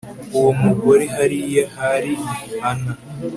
uwo mugore hariya hari ana